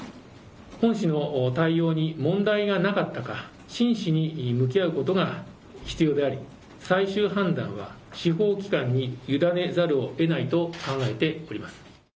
本市の対応に問題がなかったか真摯に向き合うことが必要であり最終判断は司法機関に委ねざるをえないと考えております。